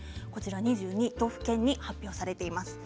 ２２の都府県に発表されています。